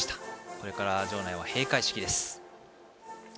これから場内は閉会式です。